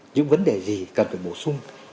những vấn đề gì cần phải bổ sung